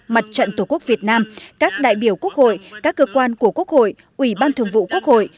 mặt trận tổ quốc việt nam các đại biểu quốc hội các cơ quan của quốc hội ủy ban thường vụ quốc hội